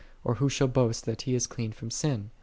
or who shall boast that he is clean from sin?"